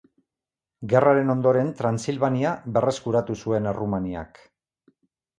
Gerraren ondoren Transilvania berreskuratu zuen Errumaniak.